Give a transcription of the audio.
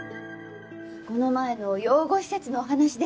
この前の養護施設のお話ですけど。